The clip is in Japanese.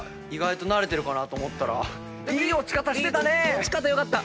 落ち方良かった。